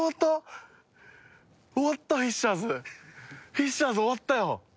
フィッシャーズ終わったよ。